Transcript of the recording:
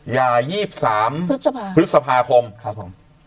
ยา๒๓พฤษภาคมครับผม